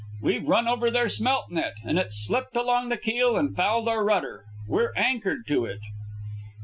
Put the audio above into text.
"We've run over their smelt net, and it's slipped along the keel and fouled our rudder. We're anchored to it."